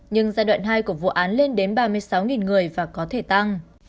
nhưng giai đoạn hai của vụ án lên đến ba mươi sáu người và có thể tăng